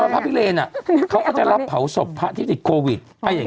พระพิเรนเขาก็จะรับเผาศพพระที่ติดโควิด